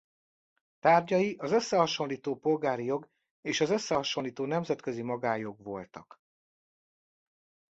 Tárgyai az összehasonlító polgári jog és az összehasonlító nemzetközi magánjog voltak.